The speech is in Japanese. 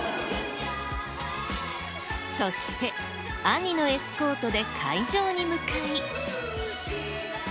そして兄のエスコートで会場に向かい。